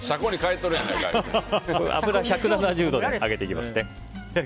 １７０度で揚げていきますね。